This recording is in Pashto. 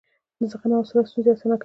زغم او حوصله ستونزې اسانه کوي.